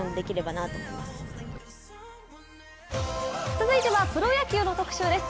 続いてはプロ野球の特集です。